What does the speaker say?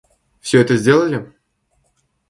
Всё это сделали?